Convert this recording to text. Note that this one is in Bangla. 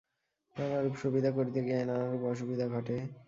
নানারূপ সুবিধা করিতে গিয়াই নানারূপ অসুবিধা ঘটে।